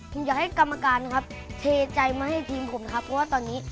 ผมอยากให้กรรมการครับเทใจมาให้ทีมผมนะครับเพราะว่าตอนนี้